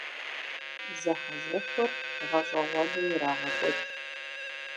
Зэхьэзэхуэр гъэщӀэгъуэну ирагъэкӀуэкӀ.